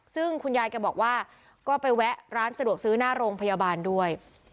ซึ่งคุณยายแกบอกว่าก็ไปแวะร้านสะดวกซื้อหน้าโรงพยาบาลด้วย